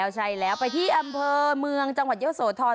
ใช่แล้วไปที่อำเภอเมืองจังหวัดเยอะโสธร